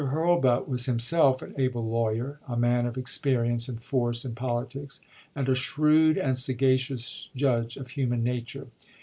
Hurlbut was himself an able lawyer, a man of experience and force in poli tics, and a shrewd and sagacious judge of human nature.